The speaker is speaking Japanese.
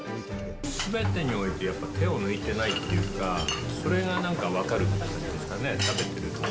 すべてにおいて、やっぱ手を抜いてないっていうか、それがなんか分かるって感じですかね、食べてると。